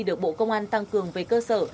được bộ công an tăng cường về cơ sở